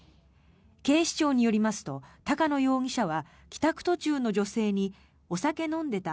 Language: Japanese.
警視庁によりますと高野容疑者は帰宅途中の女性にお酒飲んでた？